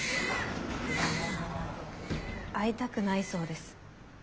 会いたくないそうです。